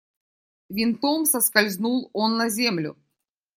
Винтом соскользнул он на землю.